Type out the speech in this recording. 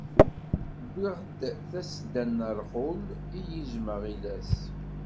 Wwiɣ-d tasedda n rrxul, i yizem aɣilas.